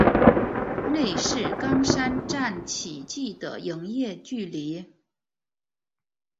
内是冈山站起计的营业距离。